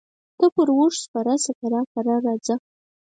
ته پر اوښ سپره شه کرار کرار راځه.